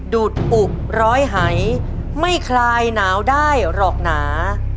ดูดอุร้อยหายไม่คลายหนาวได้หรอกหนา